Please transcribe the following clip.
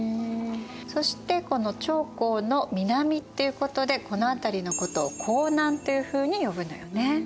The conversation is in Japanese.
そしてこの長江の南っていうことでこの辺りのことを江南というふうに呼ぶのよね。